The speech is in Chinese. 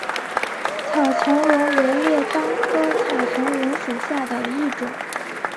草苁蓉为列当科草苁蓉属下的一个种。